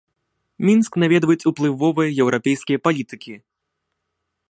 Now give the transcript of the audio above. Мінск наведваюць уплывовыя еўрапейскія палітыкі.